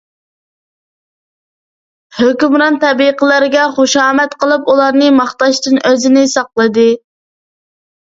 ھۆكۈمران تەبىقىلەرگە خۇشامەت قىلىپ، ئۇلارنى ماختاشتىن ئۆزىنى ساقلىدى.